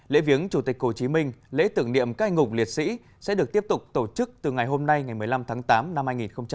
lễ viếng chủ tịch hồ chí minh lễ tưởng niệm các anh hùng liệt sĩ sẽ được tiếp tục tổ chức từ ngày hôm nay ngày một mươi năm tháng tám năm hai nghìn hai mươi